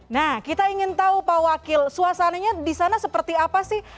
nah kita ingin tahu pak wakil suasananya di sana seperti apa sih